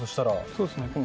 そうですね。